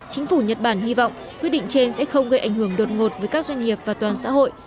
chính phủ nhật bản hy vọng quyết định trên sẽ không gây ảnh hưởng đột ngột với các doanh nghiệp và toàn xã hội